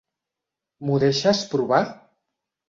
M'ho deixes provar?